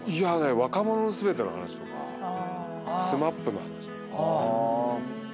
『若者のすべて』の話とかＳＭＡＰの話とか。